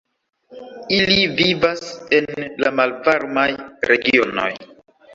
Ili vivas en la malvarmaj regionoj.